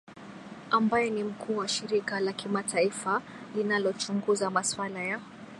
ambaye ni mkuu wa shirika la kimataifa linalochunguza maswala ya